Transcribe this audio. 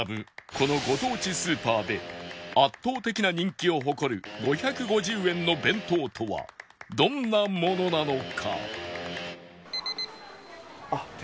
このご当地スーパーで圧倒的な人気を誇る５５０円の弁当とはどんなものなのか？